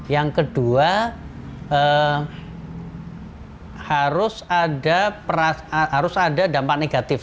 yang kedua harus ada dampak negatif